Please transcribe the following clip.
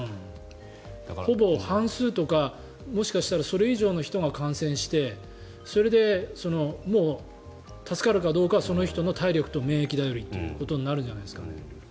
ほぼ半数とか、もしかしたらそれ以上の人が感染してそれで、もう助かるかどうかはその人の体力と免疫頼りとなるんじゃないですかね。